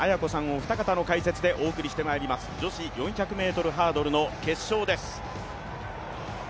お二方の解説でお送りしていきます、女子４００ｍハードルの決勝です。